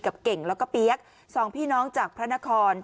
เก่งแล้วก็เปี๊ยกสองพี่น้องจากพระนคร